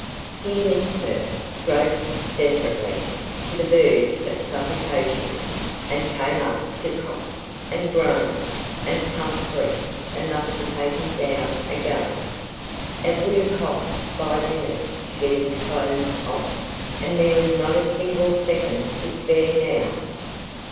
He missed her, groped desperately, to the verge of suffocation, and came up to cough, and groan, and pump breath enough to take him down again. It would have cost five minutes to get his clothes off, and there was not a single second to spare now.